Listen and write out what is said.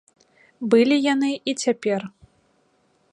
Былі яны і цяпер.